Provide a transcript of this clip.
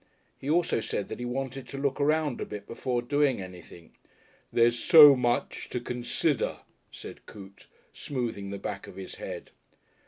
He also said that he wanted to look around a bit before doing anything. "There's so much to consider," said Coote, smoothing the back of his head.